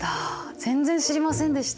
全然知りませんでした。